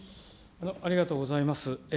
ありがとうございます。